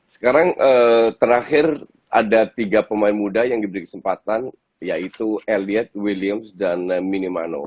sekarang terakhir ada tiga pemain muda yang diberi kesempatan yaitu elied williams dan minimano